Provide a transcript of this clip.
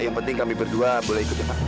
yang penting kami berdua boleh ikut cepat